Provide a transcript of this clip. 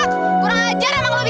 kurang ajar lo gimi